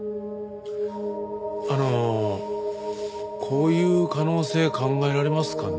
あのこういう可能性考えられますかね？